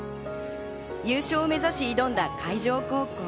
優勝を目指し、挑んだ海城高校。